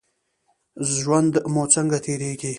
ژوند مو څنګه تیریږي؟